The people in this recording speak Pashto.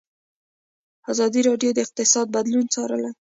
ازادي راډیو د اقتصاد بدلونونه څارلي.